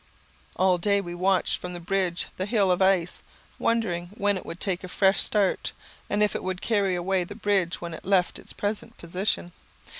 All day we watched from the bridge the hill of ice, wondering when it would take a fresh start, and if it would carry away the bridge when it left its present position.